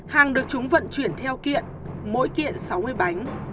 hàng được chúng vận chuyển theo kiện mỗi kiện sáu mươi bánh